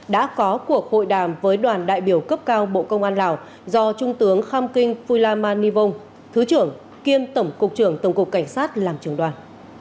đã có cuộc hội đàm với đoàn đại biểu cấp cao bộ công an lào do trung tướng kham kinh phu la man nhi vông thứ trưởng kiêm tổng cục trưởng tổng cục cảnh sát làm trưởng đoàn